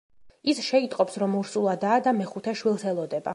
ის შეიტყობს, რომ ორსულადაა და მეხუთე შვილს ელოდება.